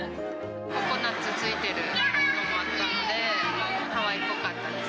ココナッツついているものもあったので、ハワイっぽかったです。